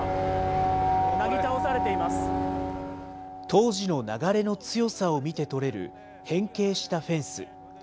当時の流れの強さを見て取れる変形したフェンス。